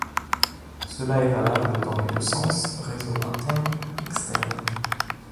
Cela est valable dans les deux sens réseau interne ↔ externe.